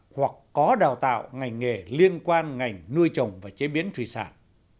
hoặc có đào tạo ngành nghề liên quan ngành nuôi trồng và chế biến thủy sản